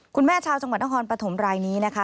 คุณแม่ชาวจังหวัดอาหารปฐมรายนี้นะคะ